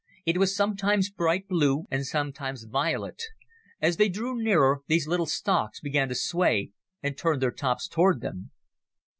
It was sometimes bright blue, and sometimes violet. As they drew nearer, these little stalks began to sway, and turned their tops toward them.